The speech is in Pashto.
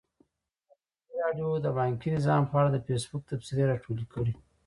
ازادي راډیو د بانکي نظام په اړه د فیسبوک تبصرې راټولې کړي.